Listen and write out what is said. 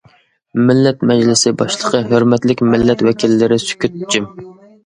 مىللەت مەجلىسى باشلىقى: ھۆرمەتلىك مىللەت ۋەكىللىرى، سۈكۈت، جىم !